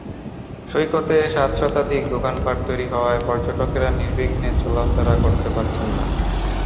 সৈকতে সাত শতাধিক দোকানপাট তৈরি হওয়ায় পর্যটকেরা নির্বিঘ্নে চলাফেরা করতে পারছেন না।